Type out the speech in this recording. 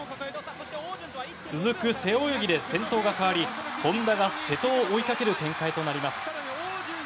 続く背泳ぎで先頭が変わり本多が瀬戸を追いかける展開となります。